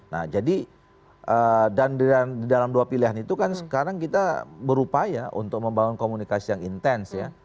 nah jadi dan di dalam dua pilihan itu kan sekarang kita berupaya untuk membangun komunikasi yang intens ya